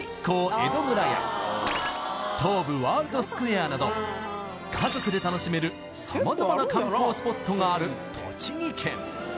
江戸村や東武ワールドスクウェアなど家族で楽しめる様々な観光スポットがある栃木県